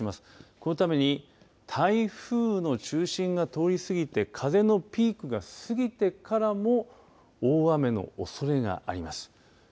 このために、台風の中心が通り過ぎて風のピークが過ぎてからも大雨のおそれがあります。